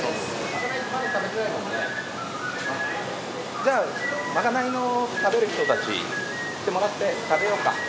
じゃあまかないを食べる人たち来てもらって食べようか。